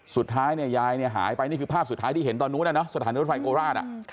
สุดท้ายเนี่ยยายเนี่ยหายไปนี่คือภาพสุดท้ายที่เห็นตอนนู้นสถานีรถไฟโคราช